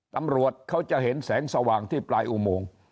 ตำรวจเขาจะเห็นแสงสว่างที่ปลายอุโมง